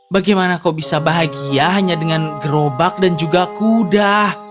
bagaimana kau bisa bahagia hanya dengan gerobak dan juga kuda